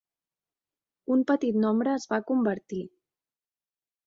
Un petit nombre es va convertir.